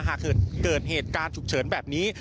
หากเกิดเหตุการณ์ฉุกเฉินแบบนี้